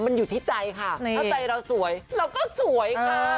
มันอยู่ที่ใจค่ะถ้าใจเราสวยเราก็สวยค่ะ